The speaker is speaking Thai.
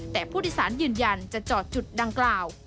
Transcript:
แต่ผู้โดยสารยืนยันจะจอดจุดดังกล่าว